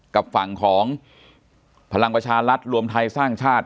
กับฝั่งของพลังประชารัฐรวมไทยสร้างชาติ